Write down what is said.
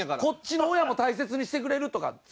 こっちの親も大切にしてくれるとか。